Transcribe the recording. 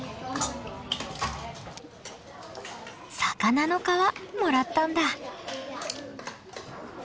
魚の皮もらったんだ。